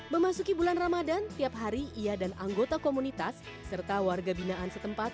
memasuki bulan ramadan tiap hari ia dan anggota komunitas serta warga binaan setempat